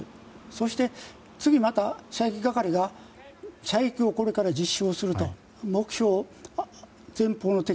そして、次また射撃係が射撃をこれから実施をすると目標、前方の敵。